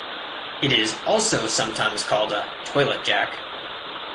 It is also sometimes called a toilet jack.